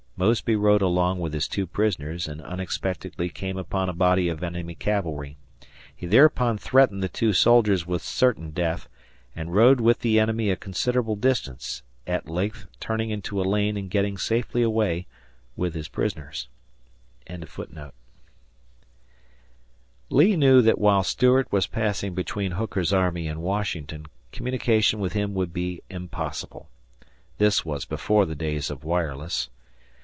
Mosby rode along with his two prisoners and unexpectedly came upon a body of enemy cavalry. He thereupon threatened the two soldiers with certain death, and rode with the enemy a considerable distance, at length turning into a lane and getting safely away, with his prisoners. Lee knew that while Stuart was passing between Hooker's army and Washington communication with him would be impossible. This was before the days of wireless!